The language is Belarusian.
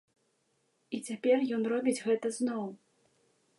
І цяпер ён робіць гэта зноў.